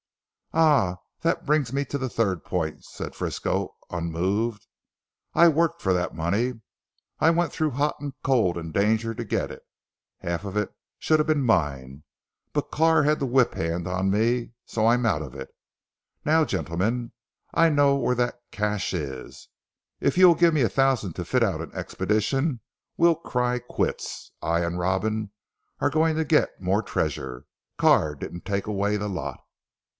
"Ah! That brings me to the third point," said Frisco unmoved, "I worked for that money. I went through hot and cold and danger to get it. Half of it should have been mine. But Carr had the whip hand of me, so I'm out of it. Now gentlemen, I know where that câche is. If you'll give me a thousand to fit out an expedition we'll cry quits. I and Robin are going to get more treasure. Carr didn't take away the lot."